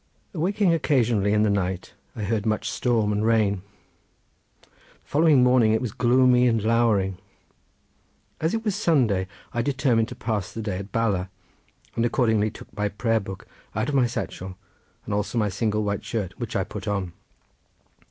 Awaking occasionally in the night I heard much storm and rain. The following morning it was gloomy and lowering. As it was Sunday I determined to pass the day at Bala, and accordingly took my prayer book out of my satchel, and also my single white shirt, which I put on.